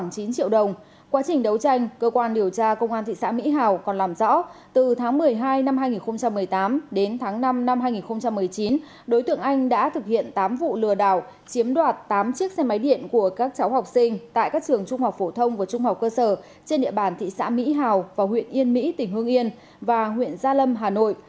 công an điều tra công an thị xã mỹ hào còn làm rõ từ tháng một mươi hai năm hai nghìn một mươi tám đến tháng năm năm hai nghìn một mươi chín đối tượng anh đã thực hiện tám vụ lừa đảo chiếm đoạt tám chiếc xe máy điện của các cháu học sinh tại các trường trung học phổ thông và trung học cơ sở trên địa bàn thị xã mỹ hào và huyện yên mỹ tỉnh hương yên và huyện gia lâm hà nội